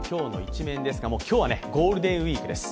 今日はゴールデンウイークです。